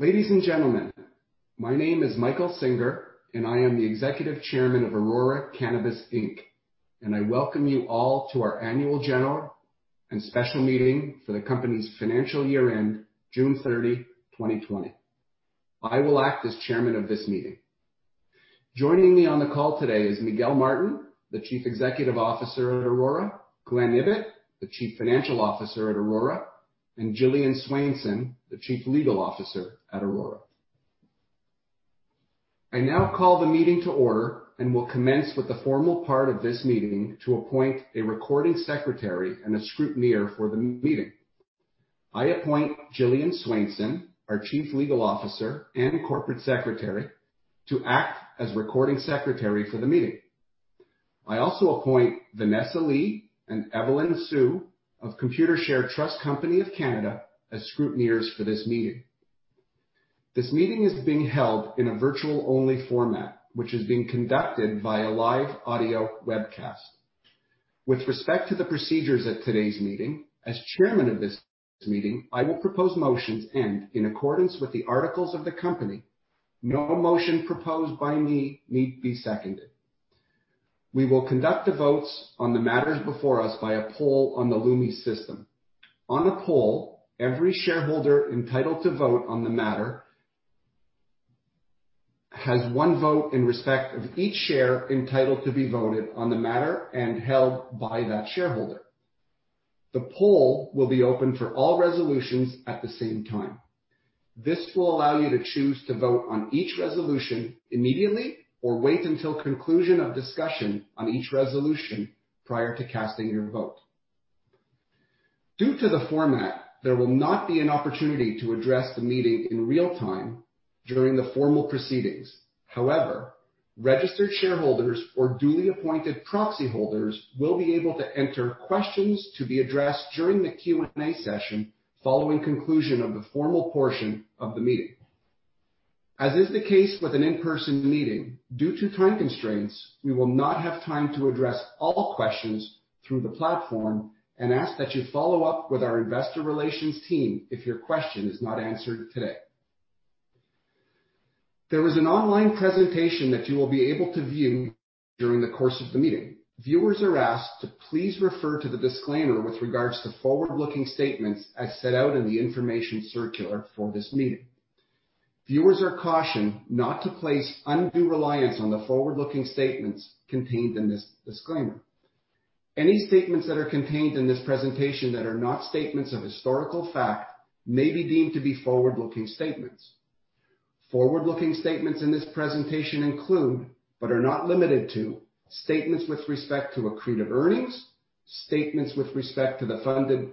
Ladies and gentlemen, my name is Michael Singer, and I am the Executive Chairman of Aurora Cannabis, Inc., and I welcome you all to our annual general and special meeting for the company's financial year-end, June 30, 2020. I will act as Chairman of this meeting. Joining me on the call today is Miguel Martin, the Chief Executive Officer at Aurora; Glen Ibbott, the Chief Financial Officer at Aurora; and Jillian Swainson, the Chief Legal Officer at Aurora. I now call the meeting to order and will commence with the formal part of this meeting to appoint a Recording Secretary and a Scrutineer for the meeting. I appoint Jillian Swainson, our Chief Legal Officer and Corporate Secretary, to act as Recording Secretary for the meeting. I also appoint Vanessa Lee and Evelyn Hsu of Computershare Trust Company of Canada as Scrutineers for this meeting. This meeting is being held in a virtual-only format, which is being conducted via live audio webcast. With respect to the procedures at today's meeting, as Chairman of this meeting, I will propose motions and, in accordance with the articles of the company, no motion proposed by me need to be seconded. We will conduct the votes on the matters before us by a poll on the Lumi system. On the poll, every shareholder entitled to vote on the matter has one vote in respect of each share entitled to be voted on the matter and held by that shareholder. The poll will be open for all resolutions at the same time. This will allow you to choose to vote on each resolution immediately or wait until conclusion of discussion on each resolution prior to casting your vote. Due to the format, there will not be an opportunity to address the meeting in real time during the formal proceedings. However, registered shareholders or duly appointed proxy holders will be able to enter questions to be addressed during the Q&A session following conclusion of the formal portion of the meeting. As is the case with an in-person meeting, due to time constraints, we will not have time to address all questions through the platform and ask that you follow up with our Investor Relations team if your question is not answered today. There is an online presentation that you will be able to view during the course of the meeting. Viewers are asked to please refer to the disclaimer with regards to forward-looking statements as set out in the information circular for this meeting. Viewers are cautioned not to place undue reliance on the forward-looking statements contained in this disclaimer. Any statements that are contained in this presentation that are not statements of historical fact may be deemed to be forward-looking statements. Forward-looking statements in this presentation include, but are not limited to, statements with respect to accretive earnings, statements with respect to the funded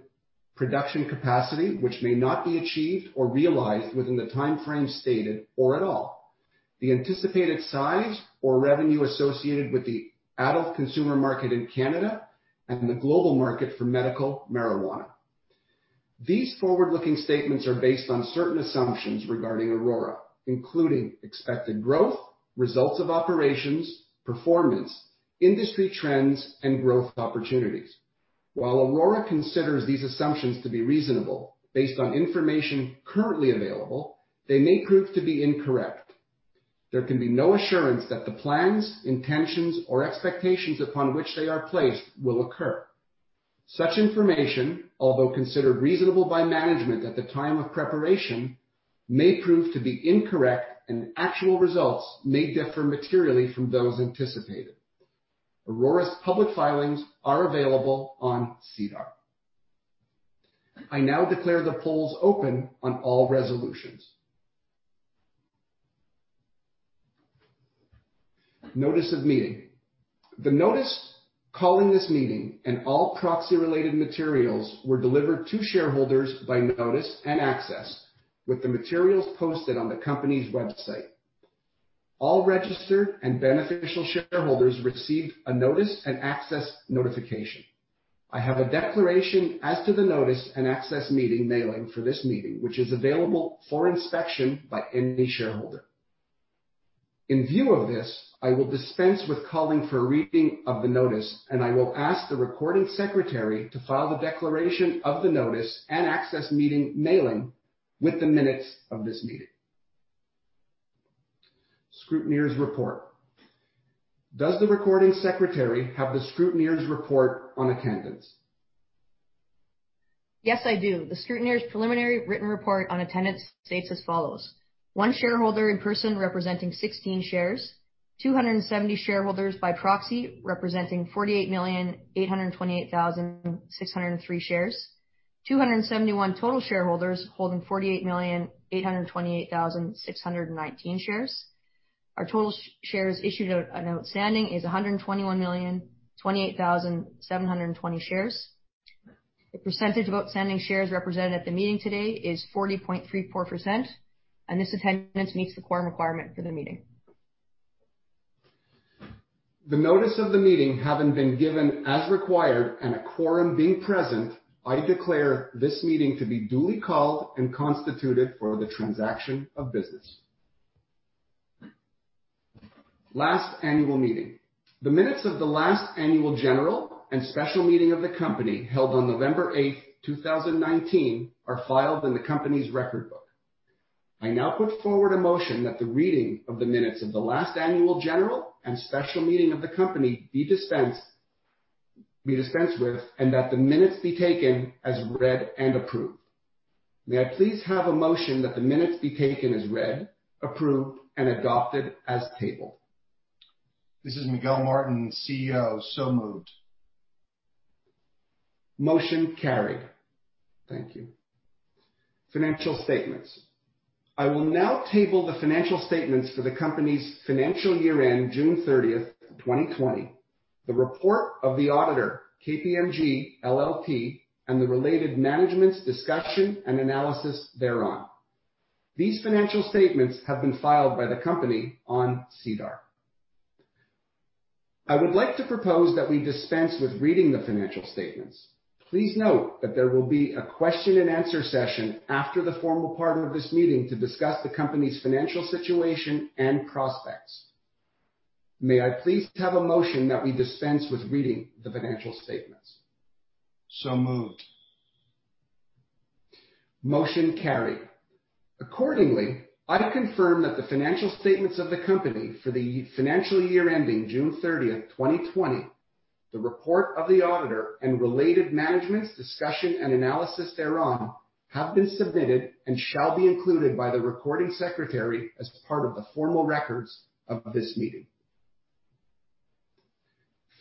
production capacity, which may not be achieved or realized within the timeframe stated or at all, the anticipated size or revenue associated with the adult consumer market in Canada, and the global market for medical marijuana. These forward-looking statements are based on certain assumptions regarding Aurora, including expected growth, results of operations, performance, industry trends, and growth opportunities. While Aurora considers these assumptions to be reasonable based on information currently available, they may prove to be incorrect. There can be no assurance that the plans, intentions, or expectations upon which they are placed will occur. Such information, although considered reasonable by management at the time of preparation, may prove to be incorrect, and actual results may differ materially from those anticipated. Aurora's public filings are available on SEDAR. I now declare the polls open on all resolutions. Notice of Meeting. The notice calling this meeting and all proxy-related materials were delivered to shareholders by notice and access, with the materials posted on the company's website. All registered and beneficial shareholders received a notice and access notification. I have a declaration as to the notice and access meeting mailing for this meeting, which is available for inspection by any shareholder. In view of this, I will dispense with calling for a reading of the notice, and I will ask the Recording Secretary to file the declaration of the Notice and Access meeting mailing with the minutes of this meeting. Scrutineers' Report. Does the Recording Secretary have the Scrutineers' Report on attendance? Yes, I do. The Scrutineers' Preliminary Written Report on Attendance states as follows: One shareholder in person representing 16 shares, 270 shareholders by proxy representing 48,828,603 shares, 271 total shareholders holding 48,828,619 shares. Our total shares issued and outstanding is 121,028,720 shares. The percentage of outstanding shares represented at the meeting today is 40.34%, and this attendance meets the quorum requirement for the meeting. The notice of the meeting having been given as required and a quorum being present, I declare this meeting to be duly called and constituted for the transaction of business. Last Annual Meeting. The minutes of the last annual general and special meeting of the company held on November 8th, 2019, are filed in the company's record book. I now put forward a motion that the reading of the minutes of the last annual general and special meeting of the company be dispensed with and that the minutes be taken as read and approved. May I please have a motion that the minutes be taken as read, approved, and adopted as tabled? This is Miguel Martin, CEO, so moved. Motion carried. Thank you. Financial Statements. I will now table the financial statements for the company's financial year-end, June 30th, 2020, the report of the auditor, KPMG LLP, and the related management's discussion and analysis thereon. These financial statements have been filed by the company on SEDAR. I would like to propose that we dispense with reading the financial statements. Please note that there will be a question-and-answer session after the formal part of this meeting to discuss the company's financial situation and prospects. May I please have a motion that we dispense with reading the financial statements? So moved. Motion carried. Accordingly, I confirm that the financial statements of the company for the financial year-ending June 30th, 2020, the report of the auditor and related management's discussion and analysis thereon have been submitted and shall be included by the Recording Secretary as part of the formal records of this meeting.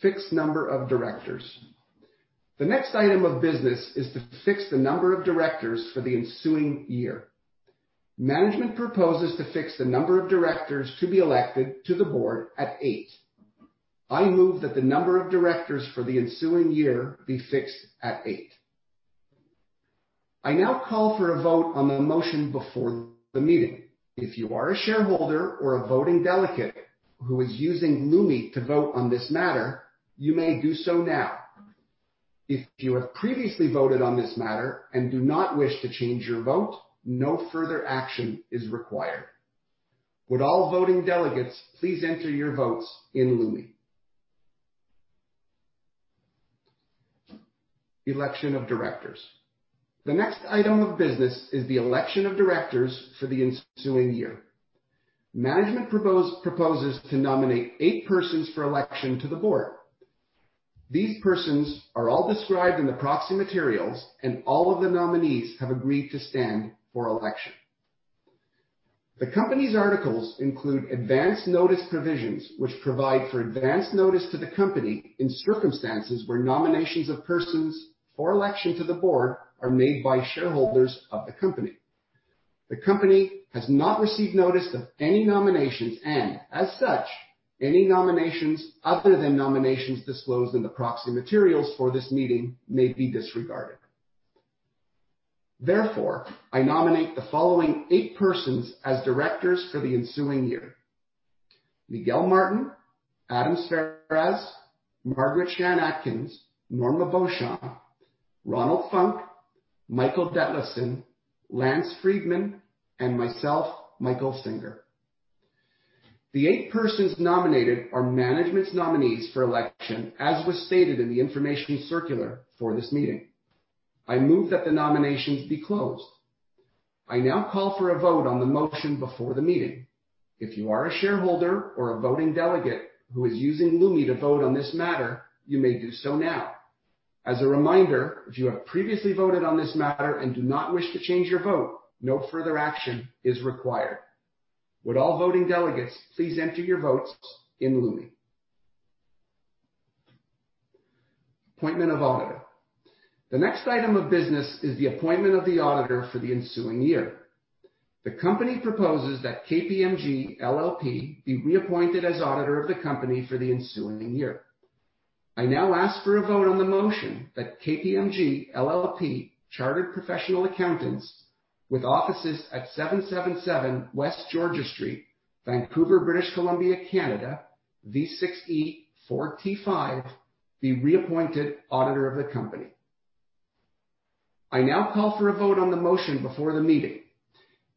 Fixed Number of Directors. The next item of business is to fix the number of directors for the ensuing year. Management proposes to fix the number of directors to be elected to the board at eight. I move that the number of directors for the ensuing year be fixed at eight. I now call for a vote on the motion before the meeting. If you are a shareholder or a voting delegate who is using Lumi to vote on this matter, you may do so now. If you have previously voted on this matter and do not wish to change your vote, no further action is required. Would all voting delegates please enter your votes in Lumi? Election of Directors. The next item of business is the election of directors for the ensuing year. Management proposes to nominate eight persons for election to the board. These persons are all described in the proxy materials, and all of the nominees have agreed to stand for election. The company's articles include advance notice provisions, which provide for advance notice to the company in circumstances where nominations of persons for election to the board are made by shareholders of the company. The company has not received notice of any nominations and, as such, any nominations other than nominations disclosed in the proxy materials for this meeting may be disregarded. Therefore, I nominate the following eight persons as directors for the ensuing year: Miguel Martin, Adam Szweras, Margaret Shan Atkins, Norma Beauchamp, Ronald Funk, Michael Detlefsen, Lance Friedmann, and myself, Michael Singer. The eight persons nominated are management's nominees for election, as was stated in the information circular for this meeting. I move that the nominations be closed. I now call for a vote on the motion before the meeting. If you are a shareholder or a voting delegate who is using Lumi to vote on this matter, you may do so now. As a reminder, if you have previously voted on this matter and do not wish to change your vote, no further action is required. Would all voting delegates please enter your votes in Lumi? Appointment of Auditor. The next item of business is the appointment of the auditor for the ensuing year. The company proposes that KPMG LLP be reappointed as auditor of the company for the ensuing year. I now ask for a vote on the motion that KPMG LLP Chartered Professional Accountants with offices at 777 West Georgia Street, Vancouver, British Columbia, Canada, V6E 4T5 be reappointed auditor of the company. I now call for a vote on the motion before the meeting.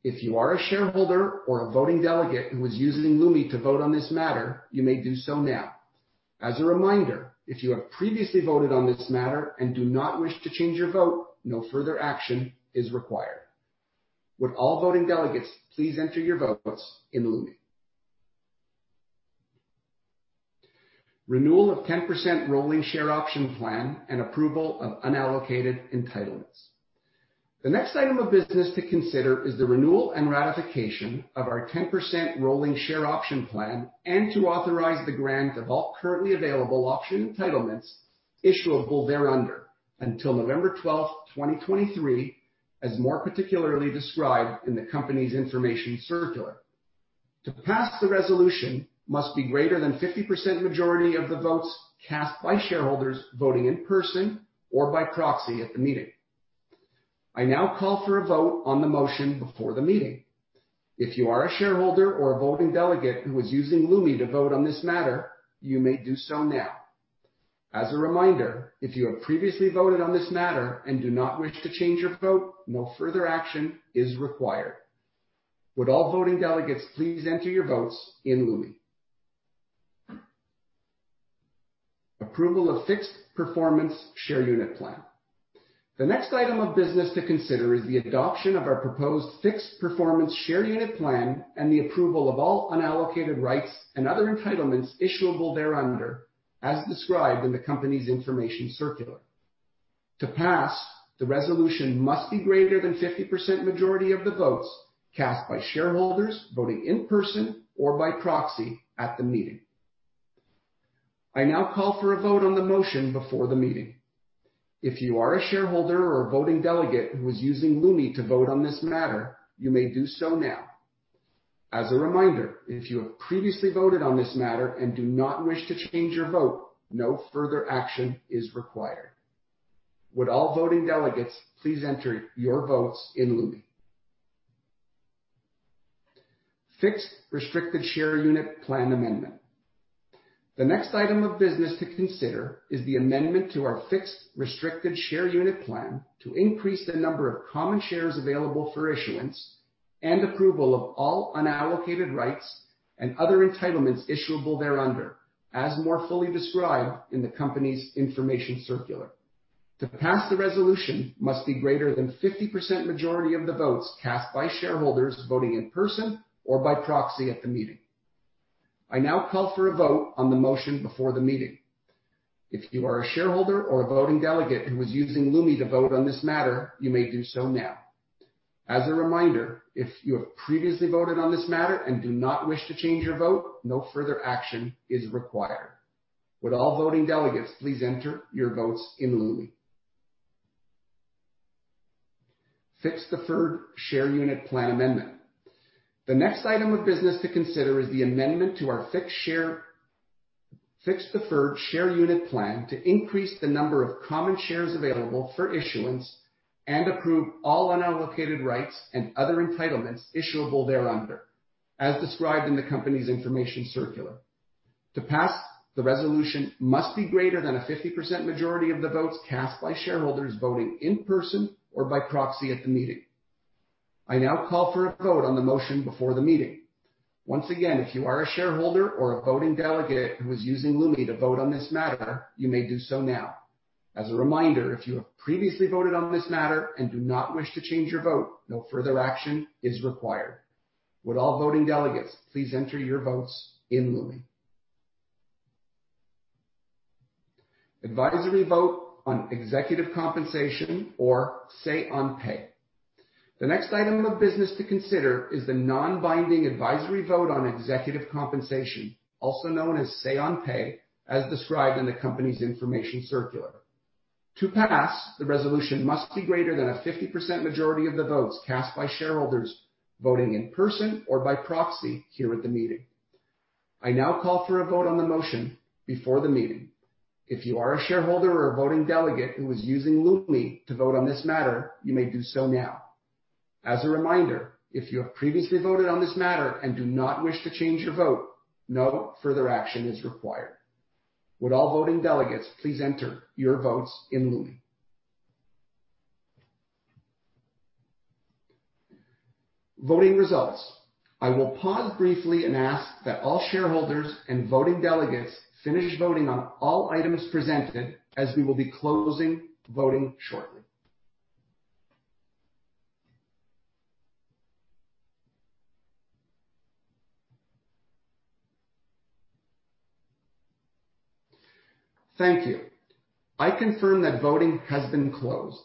If you are a shareholder or a voting delegate who is using Lumi to vote on this matter, you may do so now. As a reminder, if you have previously voted on this matter and do not wish to change your vote, no further action is required. Would all voting delegates please enter your votes in Lumi? Renewal of 10% Rolling Share Option Plan and Approval of Unallocated Entitlements. The next item of business to consider is the renewal and ratification of our 10% Rolling Share Option Plan and to authorize the grant of all currently available option entitlements issuable thereunder until November 12th, 2023, as more particularly described in the company's information circular. To pass the resolution must be greater than 50% majority of the votes cast by shareholders voting in person or by proxy at the meeting. I now call for a vote on the motion before the meeting. If you are a shareholder or a voting delegate who is using Lumi to vote on this matter, you may do so now. As a reminder, if you have previously voted on this matter and do not wish to change your vote, no further action is required. Would all voting delegates please enter your votes in Lumi? Approval of Fixed Performance Share Unit Plan. The next item of business to consider is the adoption of our proposed Fixed Performance Share Unit Plan and the approval of all unallocated rights and other entitlements issuable thereunder as described in the company's information circular. To pass, the resolution must be greater than 50% majority of the votes cast by shareholders voting in person or by proxy at the meeting. I now call for a vote on the motion before the meeting. If you are a shareholder or a voting delegate who is using Lumi to vote on this matter, you may do so now. As a reminder, if you have previously voted on this matter and do not wish to change your vote, no further action is required. Would all voting delegates please enter your votes in Lumi? Fixed Restricted Share Unit Plan Amendment. The next item of business to consider is the amendment to our Fixed Restricted Share Unit Plan to increase the number of common shares available for issuance and approval of all unallocated rights and other entitlements issuable thereunder, as more fully described in the company's information circular. To pass, the resolution must be greater than 50% majority of the votes cast by shareholders voting in person or by proxy at the meeting. I now call for a vote on the motion before the meeting. If you are a shareholder or a voting delegate who is using Lumi to vote on this matter, you may do so now. As a reminder, if you have previously voted on this matter and do not wish to change your vote, no further action is required. Would all voting delegates please enter your votes in Lumi? Fixed Deferred Share Unit Plan Amendment. The next item of business to consider is the amendment to our Fixed Deferred Share Unit Plan to increase the number of common shares available for issuance and approve all unallocated rights and other entitlements issuable thereunder as described in the company's information circular. To pass, the resolution must be greater than a 50% majority of the votes cast by shareholders voting in person or by proxy at the meeting. I now call for a vote on the motion before the meeting. Once again, if you are a shareholder or a voting delegate who is using Lumi to vote on this matter, you may do so now. As a reminder, if you have previously voted on this matter and do not wish to change your vote, no further action is required. Would all voting delegates please enter your votes in Lumi? Advisory Vote on Executive Compensation or Say on Pay. The next item of business to consider is the non-binding advisory vote on executive compensation, also known as Say on Pay, as described in the company's information circular. To pass, the resolution must be greater than a 50% majority of the votes cast by shareholders voting in person or by proxy here at the meeting. I now call for a vote on the motion before the meeting. If you are a shareholder or a voting delegate who is using Lumi to vote on this matter, you may do so now. As a reminder, if you have previously voted on this matter and do not wish to change your vote, no further action is required. Would all voting delegates please enter your votes in Lumi? Voting Results. I will pause briefly and ask that all shareholders and voting delegates finish voting on all items presented as we will be closing voting shortly. Thank you. I confirm that voting has been closed.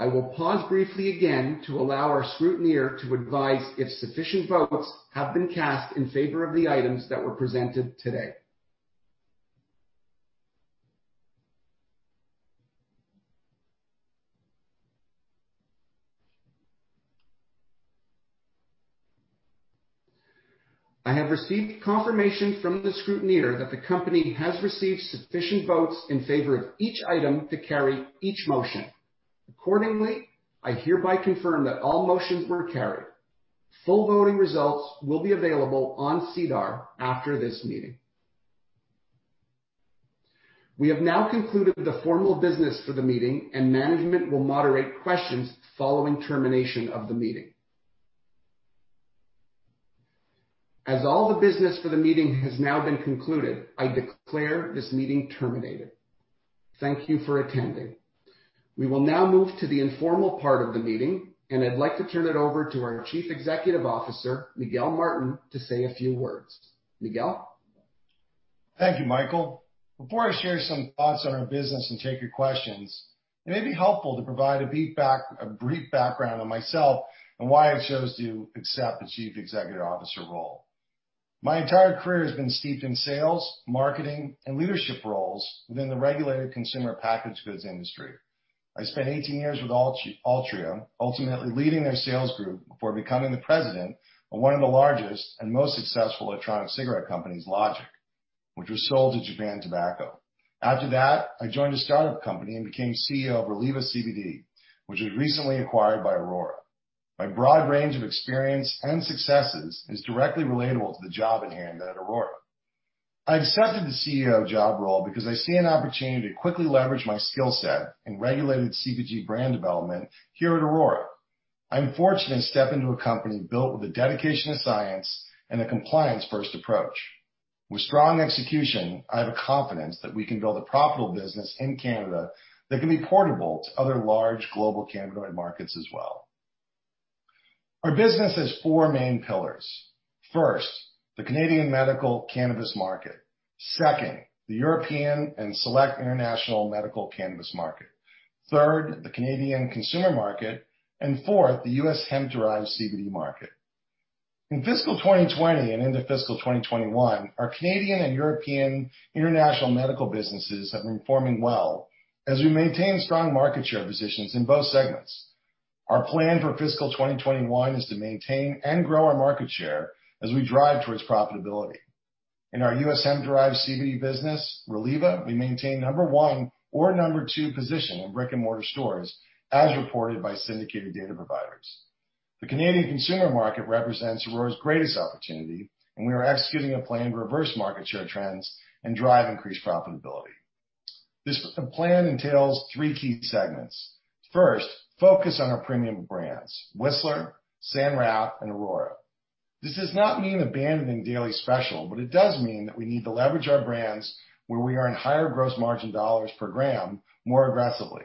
I will pause briefly again to allow our scrutineer to advise if sufficient votes have been cast in favor of the items that were presented today. I have received confirmation from the scrutineer that the company has received sufficient votes in favor of each item to carry each motion. Accordingly, I hereby confirm that all motions were carried. Full voting results will be available on SEDAR after this meeting. We have now concluded the formal business for the meeting, and management will moderate questions following termination of the meeting. As all the business for the meeting has now been concluded, I declare this meeting terminated. Thank you for attending. We will now move to the informal part of the meeting, and I'd like to turn it over to our Chief Executive Officer, Miguel Martin, to say a few words. Miguel? Thank you, Michael. Before I share some thoughts on our business and take your questions, it may be helpful to provide a brief background on myself and why I chose to accept the Chief Executive Officer role. My entire career has been steeped in sales, marketing, and leadership roles within the regulated consumer packaged goods industry. I spent 18 years with Altria, ultimately leading their sales group before becoming the president of one of the largest and most successful electronic cigarette companies, Logic, which was sold to Japan Tobacco. After that, I joined a startup company and became CEO of Reliva CBD, which was recently acquired by Aurora. My broad range of experience and successes is directly relatable to the job at hand at Aurora. I accepted the CEO job role because I see an opportunity to quickly leverage my skill set in regulated CBD brand development here at Aurora. I am fortunate to step into a company built with a dedication to science and a compliance-first approach. With strong execution, I have a confidence that we can build a profitable business in Canada that can be portable to other large global cannabinoid markets as well. Our business has four main pillars. First, the Canadian medical cannabis market. Second, the European and select international medical cannabis market. Third, the Canadian consumer market. And fourth, the U.S. hemp-derived CBD market. In fiscal 2020 and into fiscal 2021, our Canadian and European International Medical businesses have been performing well as we maintain strong market share positions in both segments. Our plan for fiscal 2021 is to maintain and grow our market share as we drive towards profitability. In our U.S. hemp-derived CBD business, Reliva, we maintain number one or number two position in brick-and-mortar stores as reported by syndicated data providers. The Canadian consumer market represents Aurora's greatest opportunity, and we are executing a plan to reverse market share trends and drive increased profitability. This plan entails three key segments. First, focus on our premium brands: Whistler, San Rafael '71, and Aurora. This does not mean abandoning Daily Special, but it does mean that we need to leverage our brands where we earn higher gross margin dollars per gram more aggressively.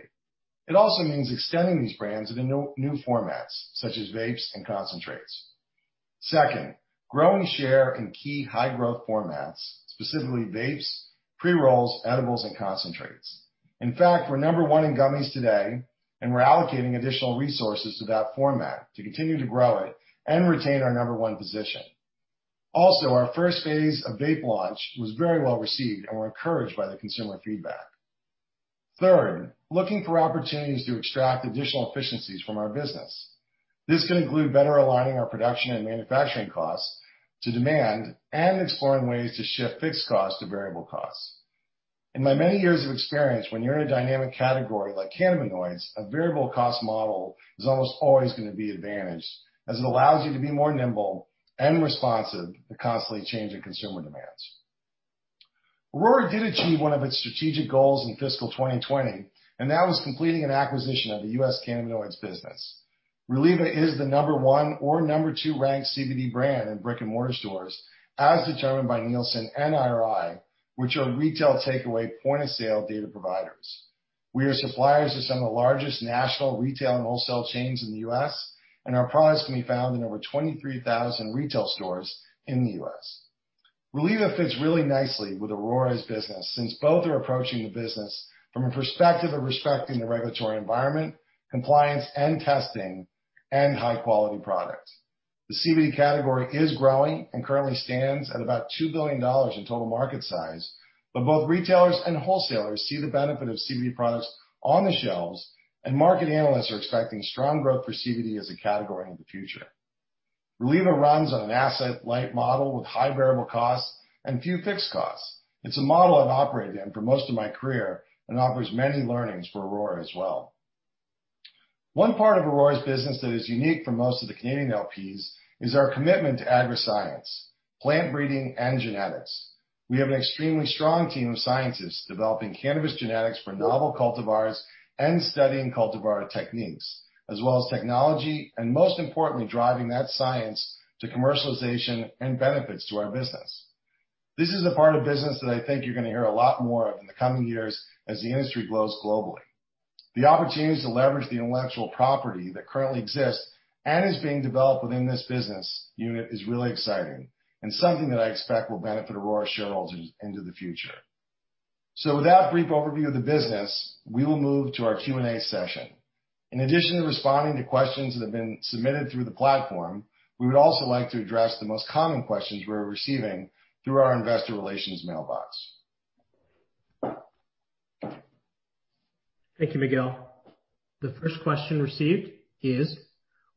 It also means extending these brands into new formats such as vapes and concentrates. Second, growing share in key high-growth formats, specifically vapes, pre-rolls, edibles, and concentrates. In fact, we're number one in gummies today, and we're allocating additional resources to that format to continue to grow it and retain our number one position. Also, our first phase of vape launch was very well received and we're encouraged by the consumer feedback. Third, looking for opportunities to extract additional efficiencies from our business. This can include better aligning our production and manufacturing costs to demand and exploring ways to shift fixed costs to variable costs. In my many years of experience, when you're in a dynamic category like cannabinoids, a variable cost model is almost always going to be advantaged as it allows you to be more nimble and responsive to constantly changing consumer demands. Aurora did achieve one of its strategic goals in fiscal 2020, and that was completing an acquisition of the U.S. cannabinoids business. Reliva is the number one or number two ranked CBD brand in brick-and-mortar stores as determined by Nielsen and IRI, which are retail takeaway point-of-sale data providers. We are suppliers to some of the largest national retail and wholesale chains in the U.S., and our products can be found in over 23,000 retail stores in the U.S. Reliva fits really nicely with Aurora's business since both are approaching the business from a perspective of respecting the regulatory environment, compliance, and testing and high-quality products. The CBD category is growing and currently stands at about $2 billion in total market size, but both retailers and wholesalers see the benefit of CBD products on the shelves, and market analysts are expecting strong growth for CBD as a category in the future. Reliva runs on an asset-light model with high variable costs and few fixed costs. It's a model I've operated in for most of my career and offers many learnings for Aurora as well. One part of Aurora's business that is unique for most of the Canadian LPs is our commitment to agro-science, plant breeding, and genetics. We have an extremely strong team of scientists developing cannabis genetics for novel cultivars and studying cultivar techniques, as well as technology and, most importantly, driving that science to commercialization and benefits to our business. This is the part of business that I think you're going to hear a lot more of in the coming years as the industry grows globally. The opportunities to leverage the intellectual property that currently exists and is being developed within this business unit is really exciting and something that I expect will benefit Aurora shareholders into the future. So, with that brief overview of the business, we will move to our Q&A session. In addition to responding to questions that have been submitted through the platform, we would also like to address the most common questions we're receiving through our investor relations mailbox. Thank you, Miguel. The first question received is,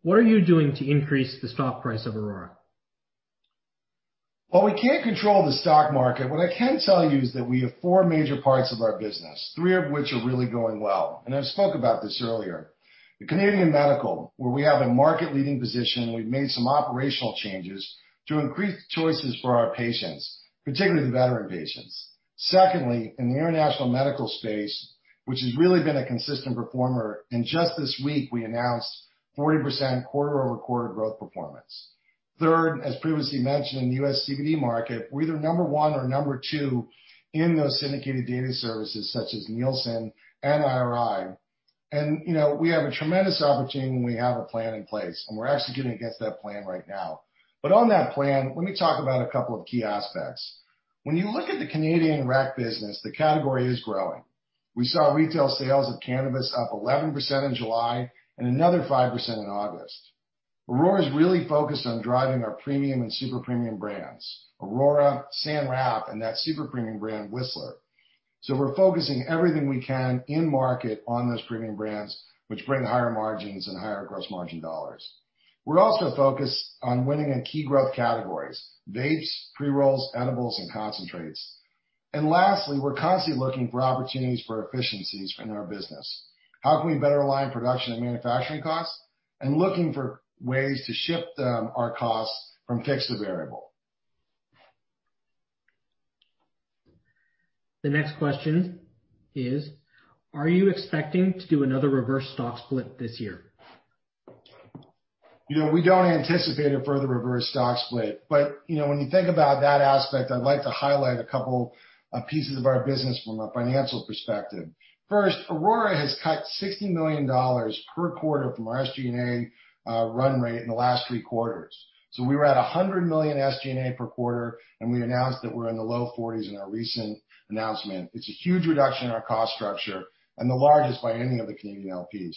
what are you doing to increase the stock price of Aurora? We can't control the stock market. What I can tell you is that we have four major parts of our business, three of which are really going well. I spoke about this earlier. The Canadian Medical, where we have a market-leading position, we've made some operational changes to increase choices for our patients, particularly the veteran patients. Secondly, in the international medical space, which has really been a consistent performer, and just this week, we announced 40% quarter-over-quarter growth performance. Third, as previously mentioned in the U.S. CBD market, we're either number one or number two in those syndicated data services such as Nielsen and IRI. We have a tremendous opportunity when we have a plan in place, and we're executing against that plan right now. On that plan, let me talk about a couple of key aspects. When you look at the Canadian rec business, the category is growing. We saw retail sales of cannabis up 11% in July and another 5% in August. Aurora is really focused on driving our premium and super premium brands: Aurora, San Rafael '71, and that super premium brand Whistler. So, we're focusing everything we can in market on those premium brands, which bring higher margins and higher gross margin dollars. We're also focused on winning in key growth categories: vapes, pre-rolls, edibles, and concentrates. And lastly, we're constantly looking for opportunities for efficiencies in our business. How can we better align production and manufacturing costs? And looking for ways to shift our costs from fixed to variable. The next question is, are you expecting to do another reverse stock split this year? We don't anticipate a further reverse stock split. But when you think about that aspect, I'd like to highlight a couple of pieces of our business from a financial perspective. First, Aurora has cut $60 million per quarter from our SG&A run rate in the last three quarters. So, we were at $100 million SG&A per quarter, and we announced that we're in the low 40s in our recent announcement. It's a huge reduction in our cost structure and the largest by any of the Canadian LPs.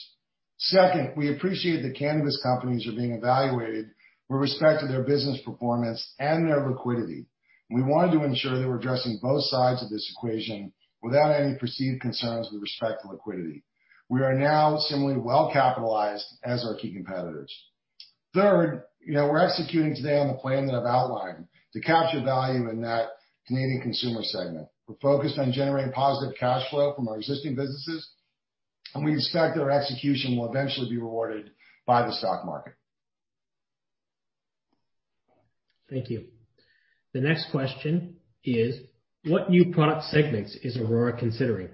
Second, we appreciate that cannabis companies are being evaluated with respect to their business performance and their liquidity. We wanted to ensure that we're addressing both sides of this equation without any perceived concerns with respect to liquidity. We are now similarly well-capitalized as our key competitors. Third, we're executing today on the plan that I've outlined to capture value in that Canadian consumer segment. We're focused on generating positive cash flow from our existing businesses, and we expect that our execution will eventually be rewarded by the stock market. Thank you. The next question is, what new product segments is Aurora considering?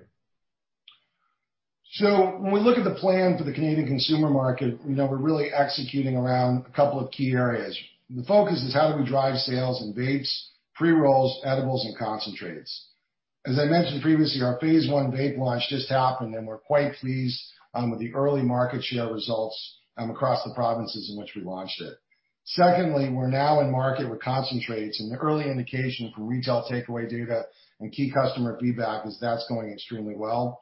When we look at the plan for the Canadian consumer market, we're really executing around a couple of key areas. The focus is how do we drive sales in vapes, pre-rolls, edibles, and concentrates. As I mentioned previously, our phase I vape launch just happened, and we're quite pleased with the early market share results across the provinces in which we launched it. Secondly, we're now in market with concentrates, and the early indication from retail takeaway data and key customer feedback is that's going extremely well.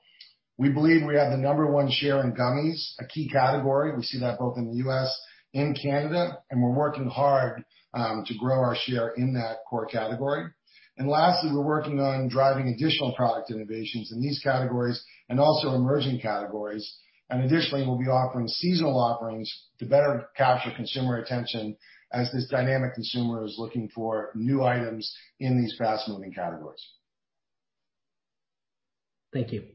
We believe we have the number one share in gummies, a key category. We see that both in the U.S. and Canada, and we're working hard to grow our share in that core category. And lastly, we're working on driving additional product innovations in these categories and also emerging categories. Additionally, we'll be offering seasonal offerings to better capture consumer attention as this dynamic consumer is looking for new items in these fast-moving categories. Thank you.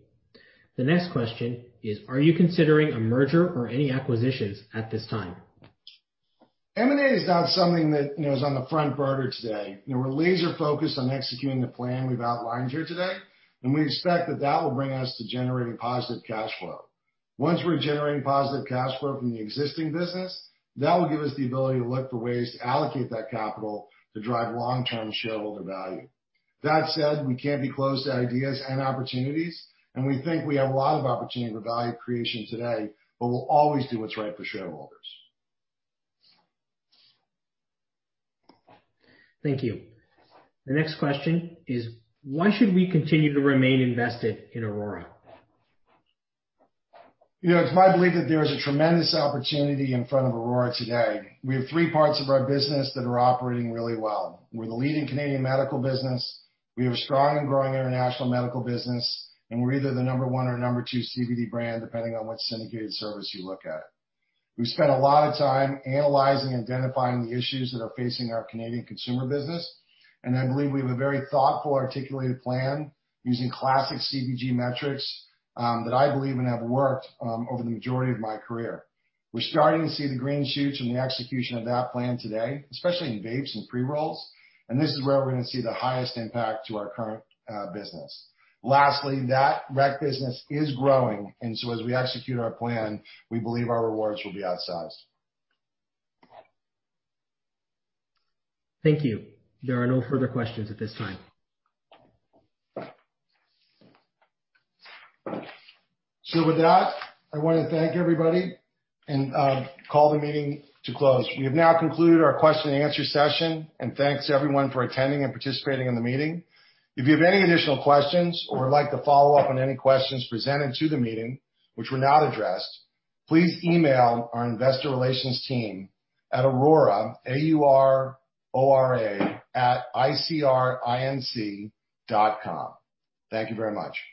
The next question is, are you considering a merger or any acquisitions at this time? M&A is not something that is on the front burner today. We're laser-focused on executing the plan we've outlined here today, and we expect that that will bring us to generating positive cash flow. Once we're generating positive cash flow from the existing business, that will give us the ability to look for ways to allocate that capital to drive long-term shareholder value. That said, we can't be closed to ideas and opportunities, and we think we have a lot of opportunity for value creation today, but we'll always do what's right for shareholders. Thank you. The next question is, why should we continue to remain invested in Aurora? It's my belief that there is a tremendous opportunity in front of Aurora today. We have three parts of our business that are operating really well. We're the leading Canadian Medical business. We have a strong and growing international medical business, and we're either the number one or number two CBD brand, depending on which syndicated service you look at. We've spent a lot of time analyzing and identifying the issues that are facing our Canadian consumer business, and I believe we have a very thoughtful, articulated plan using classic CBG metrics that I believe have worked over the majority of my career. We're starting to see the green shoots from the execution of that plan today, especially in vapes and pre-rolls, and this is where we're going to see the highest impact to our current business. Lastly, that rec business is growing, and so as we execute our plan, we believe our rewards will be outsized. Thank you. There are no further questions at this time. So, with that, I want to thank everybody and call the meeting to close. We have now concluded our question-and-answer session, and thanks to everyone for attending and participating in the meeting. If you have any additional questions or would like to follow up on any questions presented to the meeting, which were not addressed, please email our investor relations team at Aurora, aurora@icrinc.com. Thank you very much.